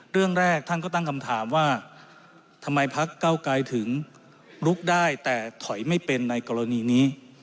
เรื่องแรกท่านก็ตั้งคำถามว่าทำไมพักเก้าไกรถึงลุกได้แต่ถอยไม่เป็นในกรณีนี้